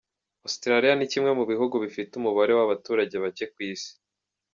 Australia ni kimwe mu bihugu bifite umubare w’abaturage bake ku isi.